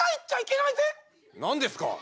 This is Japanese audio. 何ですか？